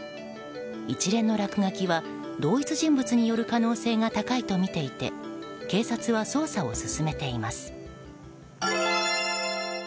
一連の落書きは同一人物による可能性が高いとみていて警察は捜査を進めています。